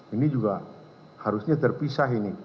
ini juga harusnya terpisah ini